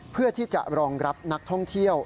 เพื่อที่จะรองรับนักท่องเที่ยว